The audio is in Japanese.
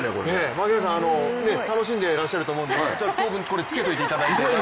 槙原さん、楽しんでいらっしゃるので当分、これつけていただいて。